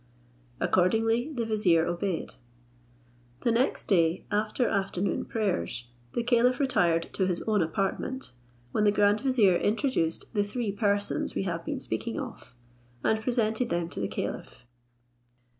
Accordingly the vizier obeyed. The next day, after afternoon prayers, the caliph retired to his own apartment, when the grand vizier introduced the three persons we have been speaking of, and presented them to the caliph.